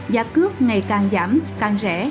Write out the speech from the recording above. giá cướp ngày càng giảm càng rẻ